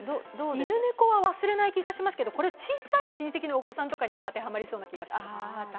犬猫は忘れない気がしますけど、小さい親戚のお子さんには当てはまりそうな気がします。